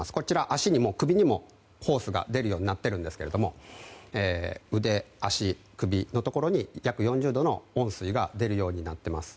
足にも首にもホースが出るようになっているんですが腕、足、首のところに約４０度の温水が出るようになってます。